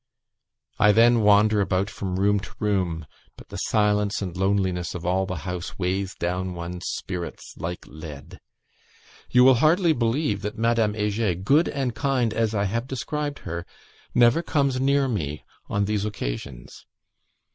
I then wander about from room to room, but the silence and loneliness of all the house weighs down one's spirits like lead. You will hardly believe that Madame Heger (good and kind as I have described her) never comes near me on these occasions.